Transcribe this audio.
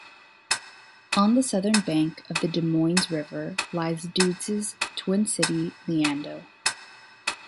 On the southern bank of the Des Moines River lies Douds' "Twin City", Leando.